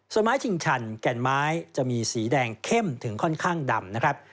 ส่วนไม้ชิงชันแก่นไม้จะมีสีแดงเข้มถึงค่อนข้างดำนะครับ